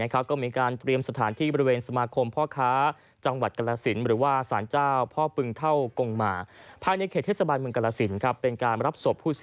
กลับมานะครับ